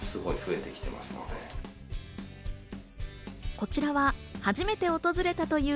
こちらは初めて訪れたという